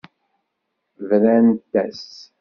Brant-as.